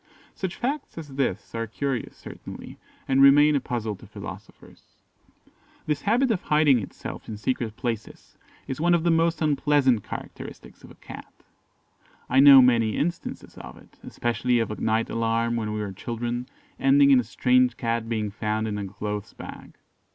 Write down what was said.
Such facts as this are curious, certainly, and remain a puzzle to philosophers. This habit of hiding itself in secret places is one of the most unpleasant characteristics of the Cat. I know many instances of it especially of a night alarm when we were children, ending in a strange cat being found in a clothes bag.